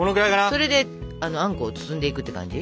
それであんこを包んでいくって感じ。